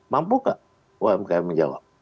mampu kak umkm menjawab